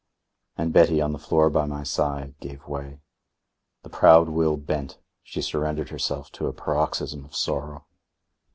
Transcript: And Betty, on the floor by my side, gave way. The proud will bent. She surrendered herself to a paroxysm of sorrow.